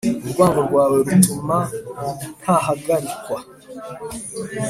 urwango rwawe rutuma ntahagarikwa.